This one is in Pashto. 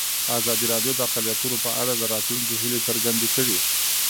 ازادي راډیو د اقلیتونه په اړه د راتلونکي هیلې څرګندې کړې.